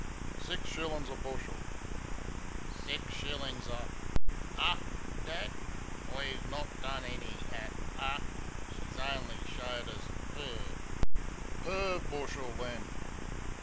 "Six shillings a bushel." "Six shil lings a.... A, Dad? We've not done any at A; she's on'y showed us PER!" "PER bushel, then!"